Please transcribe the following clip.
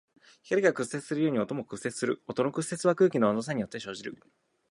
光が屈折するように音も屈折する。音の屈折は空気の温度差によって生じる。